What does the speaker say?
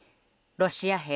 ロシア兵